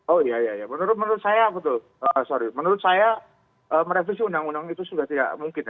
oh iya iya menurut saya betul sorry menurut saya merevisi undang undang itu sudah tidak mungkin